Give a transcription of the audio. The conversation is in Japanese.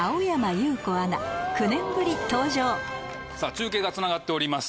中継がつながっております。